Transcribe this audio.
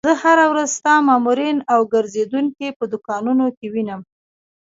زه هره ورځ ستا مامورین او ګرځېدونکي په دوکانونو کې وینم.